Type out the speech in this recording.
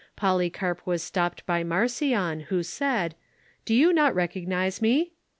Polycarp was stopped by Marcion, who said : "Do you not recognize me '?"